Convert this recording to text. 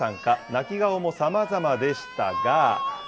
泣き顔もさまざまでしたが。